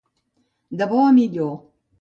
De bo a millor.